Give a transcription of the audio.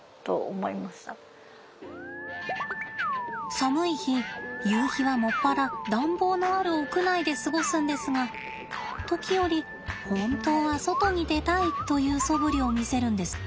寒い日ゆうひは専ら暖房のある屋内で過ごすんですが時折本当は外に出たいというそぶりを見せるんですって。